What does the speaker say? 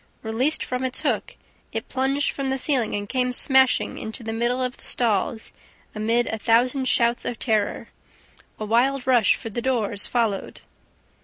Released from its hook, it plunged from the ceiling and came smashing into the middle of the stalls, amid a thousand shouts of terror. A wild rush for the doors followed.